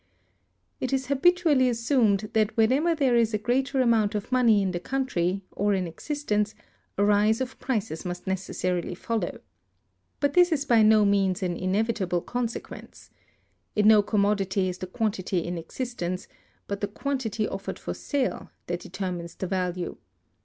It is habitually assumed that whenever there is a greater amount of money in the country, or in existence, a rise of prices must necessarily follow. But this is by no means an inevitable consequence. In no commodity is it the quantity in existence, but the quantity offered for sale, that determines the value.